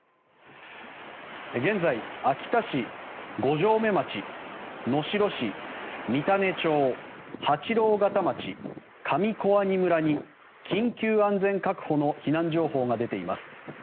現在、秋田市、五城目町能代市、三種町、八郎潟町上小阿仁村に、緊急安全確保の避難情報が出ています。